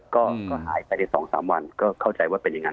ก็หายไปใน๒๓วันก็เข้าใจว่าเป็นอย่างนั้น